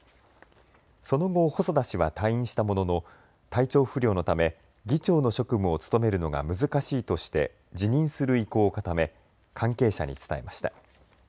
その後、細田氏は退院したものの体調不良のため議長の職務を務めるのが難しいとして辞任する意向を固め関係者に伝えました。